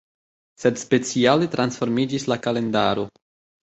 Sed speciale transformiĝis la kalendaro.